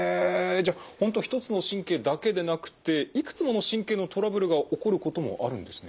じゃあ本当一つの神経だけでなくていくつもの神経のトラブルが起こることもあるんですね？